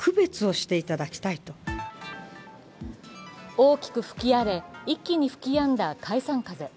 大きく吹き荒れ一気に吹きやんだ解散風。